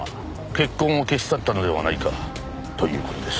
血痕を消し去ったのではないかという事です。